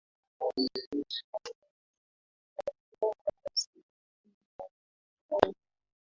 Kwa mujibu wa Idara ya Serikali ya Marekani